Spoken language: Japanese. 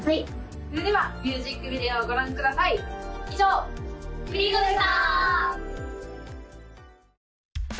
それではミュージックビデオをご覧ください以上ＧЯｅｅＤでした！